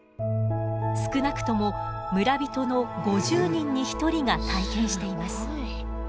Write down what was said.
少なくとも村人の５０人に１人が体験しています。